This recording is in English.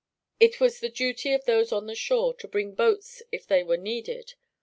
It was the duty of those on the shore to bring boats if they were needed.